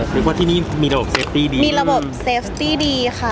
เรียกว่าที่นี่มีระบบเซฟตี้ดีมีระบบเซฟตี้ดีค่ะ